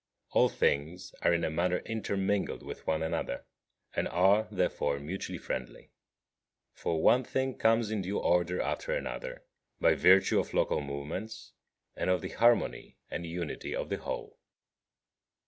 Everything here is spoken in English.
All things are in a manner intermingled with one another, and are, therefore, mutually friendly. For one thing comes in due order after another, by virtue of local movements, and of the harmony and unity of the whole.